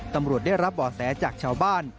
ตำรวจได้รับบ่อแสจากชาวบ้าน